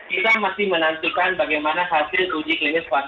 kita masih menantikan bagaimana hasil uji klinis fase tiga